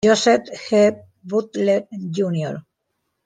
Joseph G. Butler Jr.